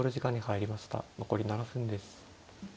残り７分です。